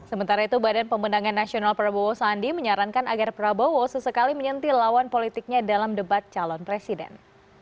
sementara itu badan pemenangan nasional prabowo sandi menyarankan agar prabowo sesekali menyentil lawan politiknya dalam debat calon presiden